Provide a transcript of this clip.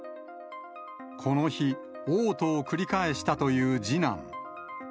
この日、おう吐を繰り返したという次男。